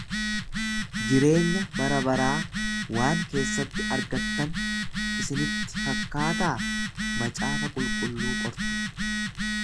Jireenya barabaraa waan keessatti argattan isinitti fakkataa macaafa qulqulluu qortu.